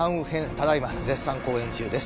ただ今絶賛公演中です